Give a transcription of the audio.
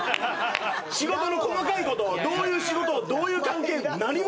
仕事の細かいことどういう仕事どういう関係何も分かんない。